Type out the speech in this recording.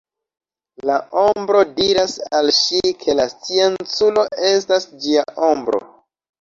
La ombro diras al ŝi ke la scienculo estas ĝia ombro.